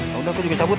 yaudah gue juga cabut